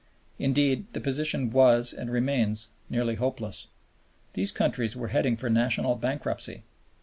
Indeed, the position was and remains nearly hopeless. These countries were heading for national bankruptcy.